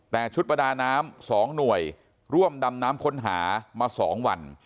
แต่ชุดประดาน้ำ๒หน่วยร่วมดำน้ำค้นหามา๒วัน